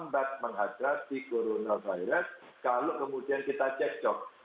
negara ini akan lambat menghadapi coronavirus kalau kemudian kita check up